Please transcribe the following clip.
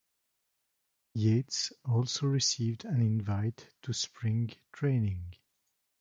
Yates also received an invite to spring training.